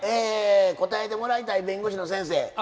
答えてもらいたい弁護士の先生。